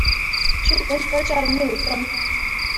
Ҫур кун пӗр чарӑнми утрӑм.